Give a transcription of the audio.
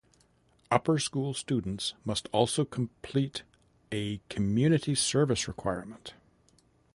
Upper School students must also complete a community service requirement.